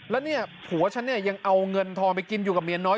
แล้วเนี่ยผัวฉันเนี่ยยังเอาเงินทองไปกินอยู่กับเมียน้อย